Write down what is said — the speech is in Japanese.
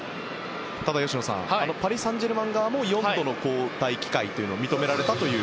ただパリ・サンジェルマン側も４度の交代機会が認められたという。